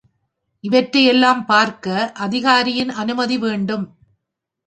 இவற்றையெல்லாம் பார்க்க அதிகாரியின் அனுமதி வேண்டும்.